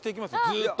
ずーっと。